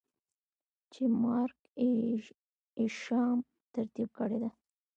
چې Mark Isham ترتيب کړې ده.